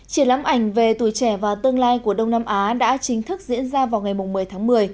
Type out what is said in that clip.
triển lãm ảnh về tuổi trẻ và tương lai của đông nam á đã chính thức diễn ra vào ngày một mươi tháng một mươi